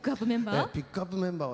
ピックアップメンバー？